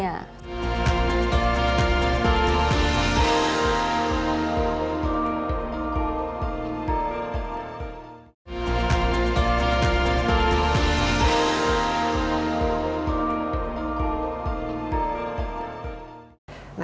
nah kapan biasanya